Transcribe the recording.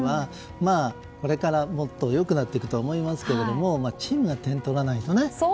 これからもっと良くなっていくと思いますけどチームが点取らないとね。